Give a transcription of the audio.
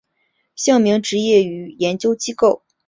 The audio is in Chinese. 姓名职业与研究机构